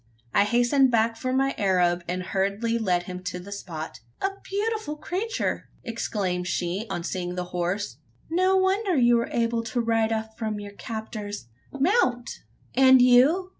I hastened back for my Arab, and hurriedly led him up to the spot. "A beautiful creature!" exclaimed she, on seeing the horse; "no wonder you were able to ride off from your captors. Mount!" "And you?"